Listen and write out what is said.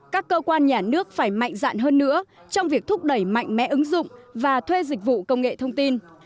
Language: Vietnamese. các cơ quan nhà nước phải mạnh dạn hơn nữa trong việc thúc đẩy mạnh mẽ ứng dụng và thuê dịch vụ công nghệ thông tin